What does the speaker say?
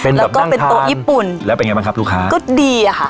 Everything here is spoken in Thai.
เป็นแบบนั่งทานแล้วก็เป็นโต๊ะญี่ปุ่นแล้วเป็นไงบ้างครับลูกค้าก็ดีอะค่ะ